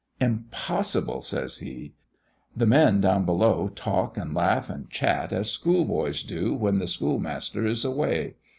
"Impossible!" says he. "The men down below talk and laugh and chat as schoolboys do when the schoolmaster is away.